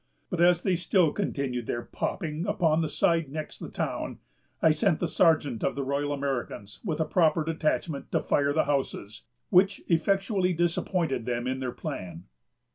But as they still continued their popping upon the side next the town, I sent the sergeant of the Royal Americans, with a proper detachment, to fire the houses, which effectually disappointed them in their plan."